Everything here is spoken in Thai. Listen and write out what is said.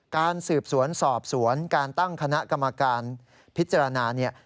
การสืบสวนสอบสวนการตั้งคณะกรรมการพิจารณาเนี่ย